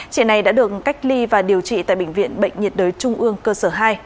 trẻ này đã được cách ly và điều trị tại bệnh viện bệnh nhiệt đới trung ương cơ sở hai